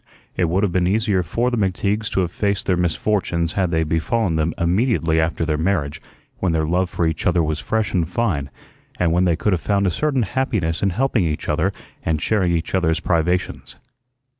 It would have been easier for the McTeagues to have faced their misfortunes had they befallen them immediately after their marriage, when their love for each other was fresh and fine, and when they could have found a certain happiness in helping each other and sharing each other's privations.